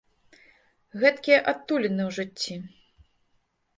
Гэткія адтуліны ў жыцці.